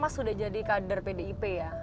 mas sudah jadi kader pdip ya